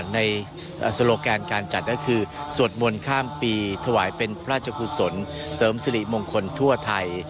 ในโซโลแกนการจัดก็คือสวดมนต์ข้ามปีถวายเป็นพระราชกุศลเสริมสิริมงคลทั่วไทย